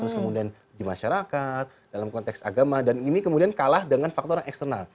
terus kemudian di masyarakat dalam konteks agama dan ini kemudian kalah dengan faktor yang eksternal